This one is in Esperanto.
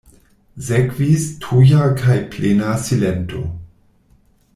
Sekvis tuja kaj plena silento.